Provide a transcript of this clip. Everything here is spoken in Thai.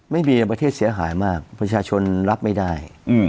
ไม่มีประเทศเสียหายมากประชาชนรับไม่ได้